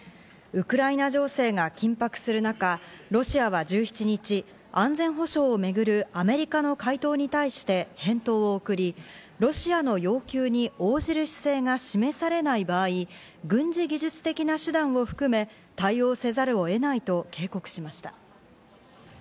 ウクライナ情勢が緊迫する中、ロシアは１７日、安全保障を巡るアメリカの回答に対して返答を送り、ロシアの要求に応じる姿勢が示されない場合、軍事技術的な手段を含め、対応せざるを得ないと警告しました。